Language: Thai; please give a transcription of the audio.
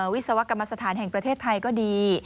วิศวกรรมสถานแห่งประเทศไทยก็ดี